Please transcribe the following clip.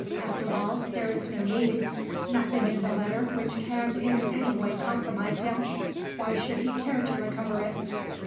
After all, there is no need; nothing in the letter which can in any way compromise him. Why should he care to recover it?